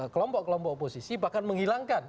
kelompok kelompok oposisi bahkan menghilangkan